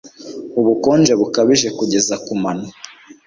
ubukonje bukabije kugeza kumano